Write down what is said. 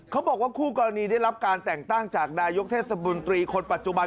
เขาบอกว่าคู่กรณีได้รับการแต่งตั้งจากนายกเทศบนตรีคนปัจจุบัน